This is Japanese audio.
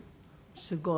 すごい。